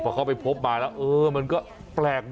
ยืนยันว่าม่อข้าวมาแกงลิงทั้งสองชนิด